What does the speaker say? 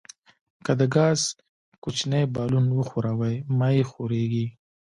که د ګاز کوچنی بالون وښوروئ مایع ښوریږي.